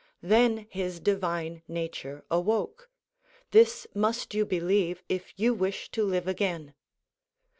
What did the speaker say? Then his divine nature awoke. This must you believe if you wish to live again.